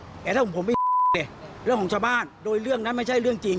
แต่ถ้าผมไม่เรื่องของชาวบ้านโดยเรื่องนั้นไม่ใช่เรื่องจริง